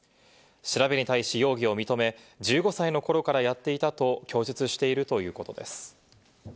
調べに対し、容疑を認め、１５歳のころからやっていたと供述しているということです。